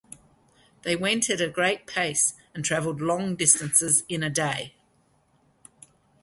They went at a great pace and travelled long distances in a day.